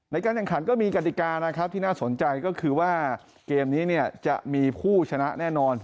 ในการแข่งขันก็มีกฎิกานะครับที่น่าสนใจก็คือว่าเกมนี้จะมีผู้ชนะแน่นอน